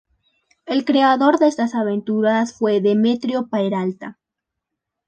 El creador de estas aventuras fue Demetrio Peralta.